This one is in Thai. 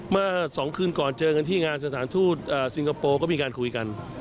เมื่อ๒คืนก่อนเจอกันที่งานสถานทูตซิงคโปร์ก็มีการคุยกัน